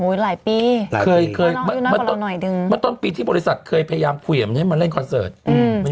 โอ๊ยหลายปีมาตรงต้นปีที่บริษัทเคยพยายามคุยเหมือน